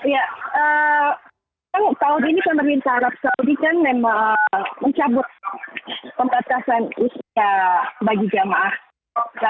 ya kalau ini pemerintah saudi dan memang mencabut pembatasan isya bagi jamaah dan